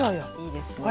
いいですね。